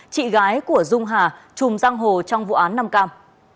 chị gái của dung hà trùm giang hồ trong vụ án năm cam